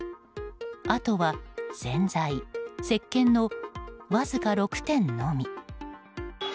あとは洗剤、石けんのわずか６点のみ。